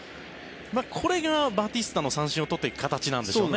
これがバティスタの、三振を取っていく形なんでしょうね。